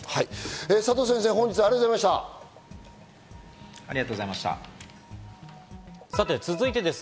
佐藤先生、本日はありがとうございました。